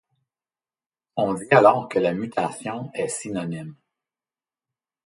On dit alors que la mutation est synonyme.